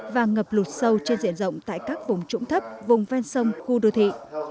và ngập lụt sâu trên diện rộng tại các vùng trũng thấp vùng ven sông khu đô thị